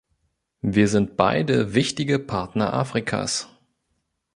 Wir sind beide wichtige Partner Afrikas.